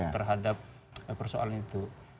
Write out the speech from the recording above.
terhadap persoalan itu